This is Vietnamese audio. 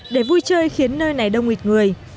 để vui chơi khiến nơi này đông nghịch người